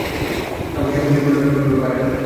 কাউকে সে ফুসলিয়ে প্ররোচিত করতে পারে না।